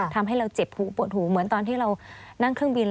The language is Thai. ทำให้เราเจ็บหูปวดหูเหมือนตอนที่เรานั่งเครื่องบิน